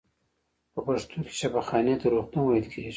په پښتو کې شفاخانې ته روغتون ویل کیږی.